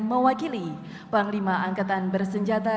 mewakili panglima angkatan bersenjata